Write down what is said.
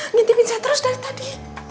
ngintipin saya terus dari tadi